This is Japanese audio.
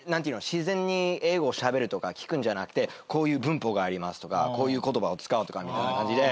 自然に英語をしゃべるとか聞くんじゃなくて「こういう文法があります」とか「こういう言葉を使う」とかみたいな感じで。